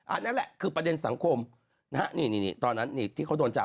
อันนั้นแหละคือประเด็นสังคมที่เขาโดนจับ